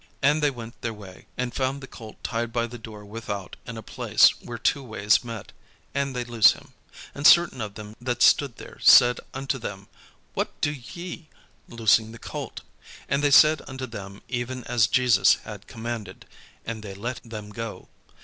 And they went their way, and found the colt tied by the door without in a place where two ways met; and they loose him. And certain of them that stood there said unto them, "What do ye, loosing the colt?" And they said unto them even as Jesus had commanded: and they let them go.